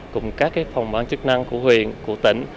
cùng các phòng bản chức năng của huyện của tỉnh